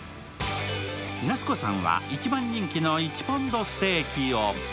やす子さんは、一番人気の１ポンドステーキを。